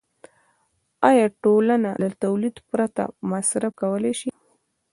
آیا ټولنه له تولید پرته مصرف کولی شي